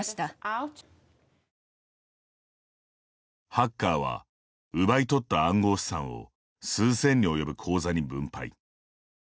ハッカーは奪い取った暗号資産を数千に及ぶ口座に分配。